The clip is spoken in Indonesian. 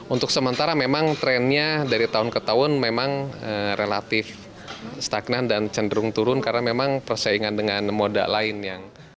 untuk sementara memang trennya dari tahun ke tahun memang relatif stagnan dan cenderung turun karena memang persaingan dengan moda lain yang